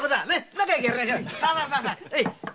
仲よくやりましょう。